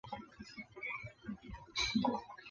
非洲北部和中东国家则大多使用羊尾的脂肪和酥油。